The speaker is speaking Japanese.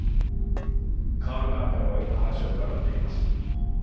カール・カーンからはよく話を伺っています。